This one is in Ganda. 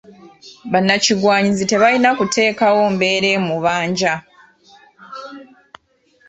Bannakigwanyizi tebalina kuteekawo mbeera emubanja.